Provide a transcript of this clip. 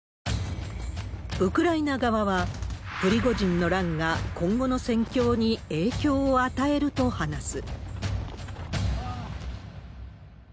ウクライナ側は、プリゴジンの乱が今後の戦況に影響を与えると話す。